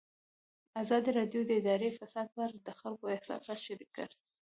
ازادي راډیو د اداري فساد په اړه د خلکو احساسات شریک کړي.